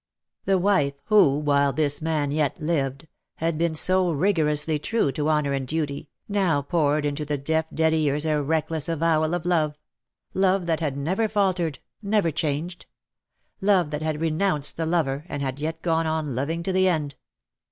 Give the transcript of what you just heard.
The wife who, while this man yet lived, had been so rigorously true to honour and duty, now poured into the deaf dead ears a reckless avowal of love — love that had never faltered, never changed — love that had renounced the lover, and had yet gone on loving to the end.